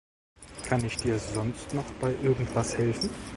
Kann ich dir sonst noch bei irgendwas helfen?